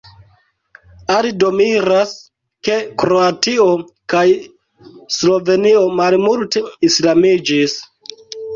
Aldo miras, ke Kroatio kaj Slovenio malmulte islamiĝis.